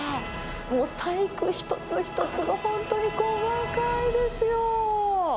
細工一つ一つも本当に細かいですよ。